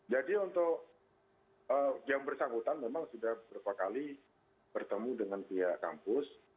jadi untuk yang bersangkutan memang sudah berkali kali bertemu dengan pihak kampus